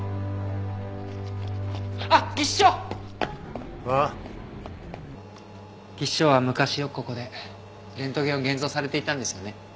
技師長は昔よくここでレントゲンを現像されていたんですよね。